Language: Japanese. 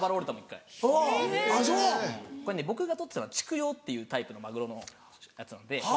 僕が捕ってたのは蓄養っていうタイプのマグロのやつなので。